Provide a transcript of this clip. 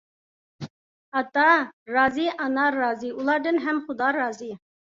ئاتا رازى، ئانا رازى، ئۇلاردىن ھەم خۇدا رازى.